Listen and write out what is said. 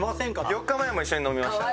４日前も一緒に飲みましたね。